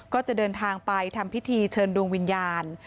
ก็จะเดินทางไปทำพิธีเชิญดวงวิญญาณ